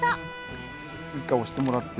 一回押してもらって。